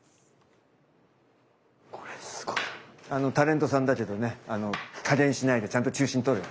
タレントさんだけどね加減しないでちゃんと中心とる。